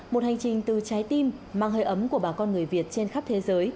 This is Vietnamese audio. một hành trình từ trái tim mang hơi ấm của bà con người việt trên khắp thế giới